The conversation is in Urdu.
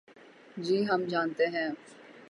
جی ہم جانتے ہیں۔